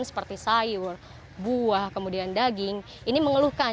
seperti sayur buah kemudian daging ini mengeluhkan